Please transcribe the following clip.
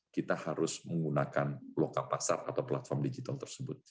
kita harus menggunakan loka pasar atau platform digital tersebut